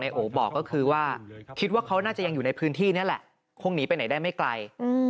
โอบอกก็คือว่าคิดว่าเขาน่าจะยังอยู่ในพื้นที่นี่แหละคงหนีไปไหนได้ไม่ไกล